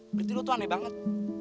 berarti lu tuh aneh banget